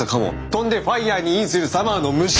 飛んでファイアにインするサマーの虫！